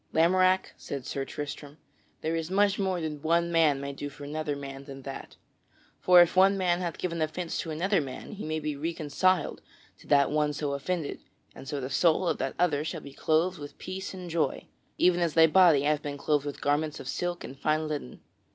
"Lamorack," said Sir Tristram, "there is much more than one man may do for another man than that. For if one man hath given offence to another man, he may be reconciled to that one so offended, and so the soul of that other shall be clothed with peace and joy, even as thy body hath been clothed with garments of silk and fine linen."